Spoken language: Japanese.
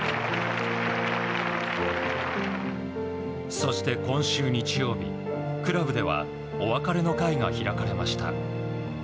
そして今週日曜日クラブではお別れの会が開かれました。